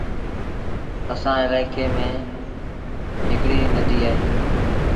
اسآݩ الآڪي ميݩ هڪڙيٚ نديٚ اهي۔